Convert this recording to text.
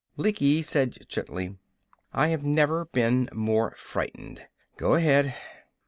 Lecky said gently: "I have never been more frightened. Go ahead!"